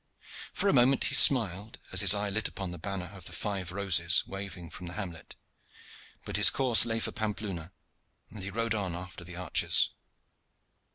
For a moment he smiled, as his eye lit upon the banner of the five roses waving from the hamlet; but his course lay for Pampeluna, and he rode on after the archers.